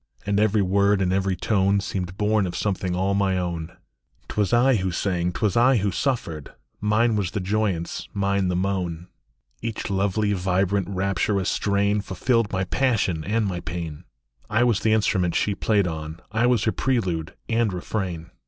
And every word and every tone Seemed born of something all my own. T was I vho sang, t was I who suffered ; Mine was the joyance, mine the moan. TO FELICIA SINGING, 147 Each lovely, vibrant, rapturous strain Fulfilled my passion and my pain. I was the instrument she played on ; I was her prelude and refrain.